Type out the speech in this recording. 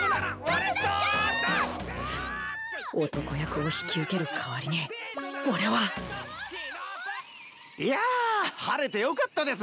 フッ男役を引き受ける代わりに俺はいや晴れてよかったです。